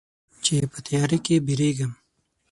چې په تیاره کې بیریږې